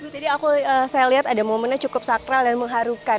tadi saya lihat ada momennya cukup sakral dan mengharukan